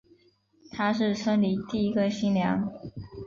她是村里第一个新娘